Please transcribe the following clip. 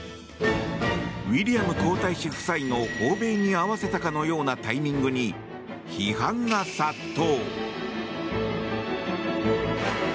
ウィリアム皇太子夫妻の訪米に合わせたかのようなタイミングに批判が殺到。